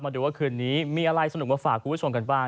ดูว่าคืนนี้มีอะไรสนุกมาฝากคุณผู้ชมกันบ้าง